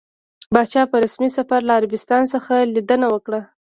پاچا په رسمي سفر له عربستان څخه ليدنه وکړه.